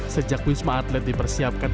sejak wisma atlet dipersiapkan